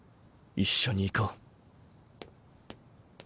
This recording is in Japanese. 一緒にいこう。